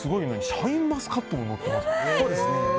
シャインマスカットものってますよ。